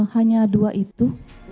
hanya dua itu